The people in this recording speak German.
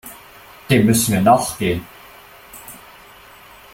Dem müssen wir nachgehen.